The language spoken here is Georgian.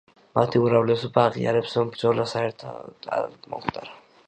მათი უმრავლესობა აღიარებს, რომ ბრძოლა საერთოდაც არ მომხდარა.